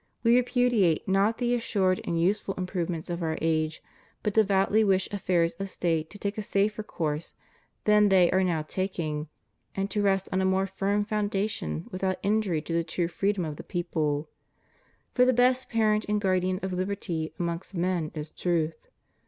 We repudiate not the assured and useful improvements of our age, but devoutly wish affairs of State to take a safer course than they are now taking, and to rest on a more firm foundation without injury to the true freedom of the people; for the best parent and guardian of liberty amongst men is truth.